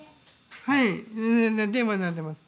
はいテーマになってます。